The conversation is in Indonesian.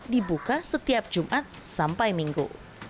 dibuka setiap jumat sampai minggu